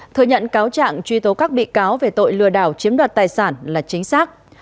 thừa nhận cáo trạng truy tố các bị cáo về tội lừa đảo chiếm đoạt tài sản là chính xác